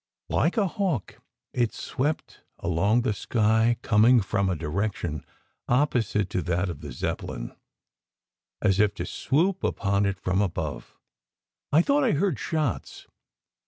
Like a hawk it swept along the sky, coming from a direction opposite to that of the Zeppelin, as if to swoop upon it from above. I thought I heard shots.